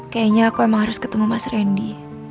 kayaknya aku emang harus ketemu mas randy